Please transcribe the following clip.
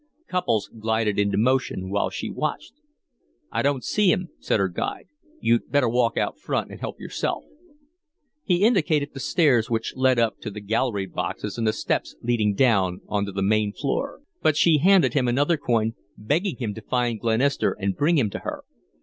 Couples glided into motion while she watched. "I don't see him," said her guide. "You better walk out front and help yourself." He indicated the stairs which led up to the galleried boxes and the steps leading down on to the main floor, but she handed him another coin, begging him to find Glenister and bring him to her.